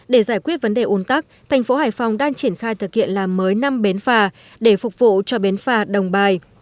để giải quyết vấn đề ồn tắc thành phố hải phòng đang triển khai thực hiện làm mới năm bến phà để phục vụ cho bến phà đồng bài